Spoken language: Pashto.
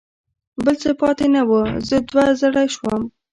بل څه پاتې نه و، زه دوه زړی شوم.